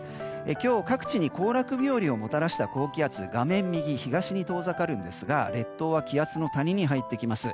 今日各地に行楽日和をもたらした高気圧画面右、東に遠ざかるんですが列島は気圧の谷に入ってきます。